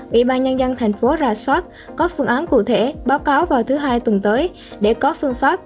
ủy ban nhân dân thành phố ra soát có phương án cụ thể báo cáo vào thứ hai tuần tới để có phương pháp